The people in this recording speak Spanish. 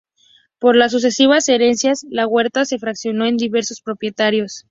Por las sucesivas herencias, la huerta se fraccionó en diversos propietarios.